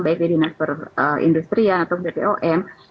baik dari nasber industri atau dari pom